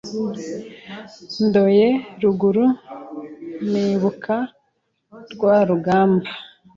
Ndoye ruguru Nibuka rwa rugamba